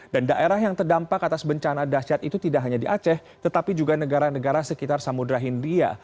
dan daerah yang terdampak atas bencana dasyat itu tidak hanya di aceh tetapi juga negara negara sekitar samudera india